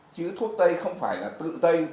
chứ thuốc tây không phải là tự tây